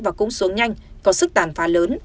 và cũng xuống nhanh có sức tàn phá lớn